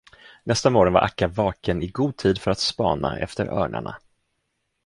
Nästa morgon var Akka vaken i god tid för att spana efter örnarna.